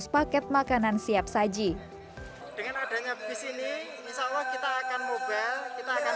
seratus dua ratus paket makanan siap saji dengan adanya bisnis ini insyaallah kita akan mobile kita akan